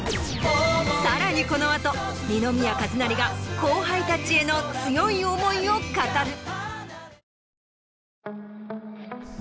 さらにこの後二宮和也が後輩たちへの強い思いを語る。